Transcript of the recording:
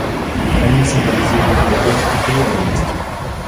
Они символизируют любовь и преданность.